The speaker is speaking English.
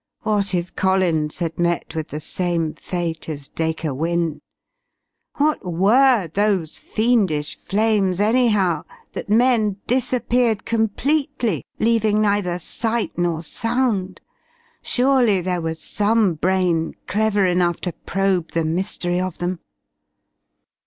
What if Collins had met with the same fate as Dacre Wynne? What were those fiendish flames, anyhow, that men disappeared completely, leaving neither sight nor sound? Surely there was some brain clever enough to probe the mystery of them.